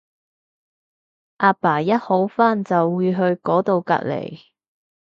阿爸一好翻就會去嗰到隔離